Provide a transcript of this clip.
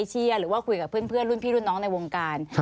เชียร์หรือว่าคุยกับเพื่อนรุ่นพี่รุ่นน้องในวงการ